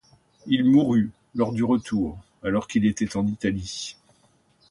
Il mourut lors du retour, alors qu'il était en Italie.